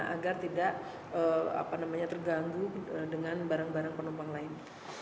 agar tidak terganggu dengan barang barang penumpang lain